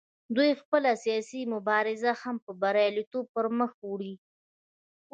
دوی خپله سیاسي مبارزه هم په بریالیتوب پر مخ وړي